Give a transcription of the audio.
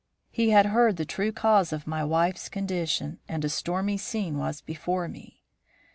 He had heard the true cause of my wife's condition, and a stormy scene was before me.